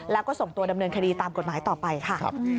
แล้วก็ส่งตัวดำเนินคดีตามกฎหมายต่อไปค่ะ